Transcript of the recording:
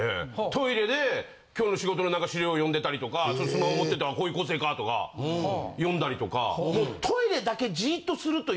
トイレで今日の仕事の資料読んでたりとかスマホ持ってってこういう構成かとか読んだりとか。